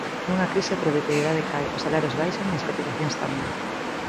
Nunha crise a produtividade cae, os salarios baixan e as cotizacións tamén.